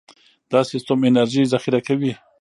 دا سیستم انرژي ذخیره کوي.